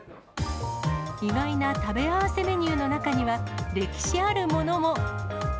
意外な食べ合わせメニューの中には、歴史あるものも。